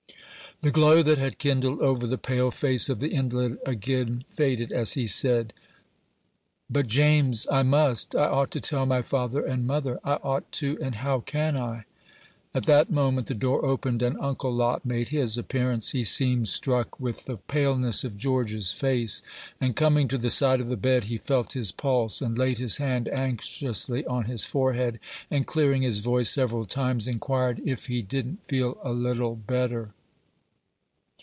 The glow that had kindled over the pale face of the invalid again faded as he said, "But, James, I must, I ought to tell my father and mother; I ought to, and how can I?" At that moment the door opened, and Uncle Lot made his appearance. He seemed struck with the paleness of George's face; and coming to the side of the bed, he felt his pulse, and laid his hand anxiously on his forehead, and clearing his voice several times, inquired "if he didn't feel a little better."